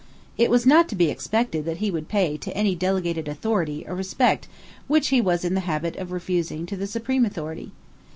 It was not to be expected that he would pay to any delegated authority a respect which he was in the habit of refusing to the supreme authority.